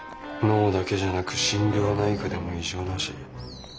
脳だけじゃなく心療内科でも異常なし。